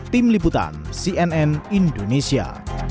tim liputan cnn indonesia